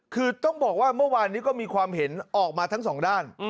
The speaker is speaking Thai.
คือต้องบอกว่าเมื่อวานนี้ก็มีความเห็นออกมาทั้งสองด้าน